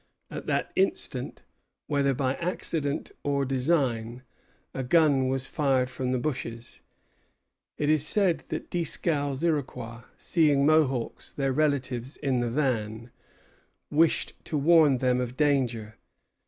At that instant, whether by accident or design, a gun was fired from the bushes. It is said that Dieskau's Iroquois, seeing Mohawks, their relatives, in the van, wished to warn them of danger.